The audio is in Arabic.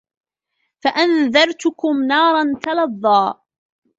فَأَنذَرتُكُم نارًا تَلَظّى